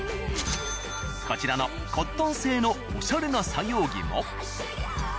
こちらのコットン製のオシャレな作業着も。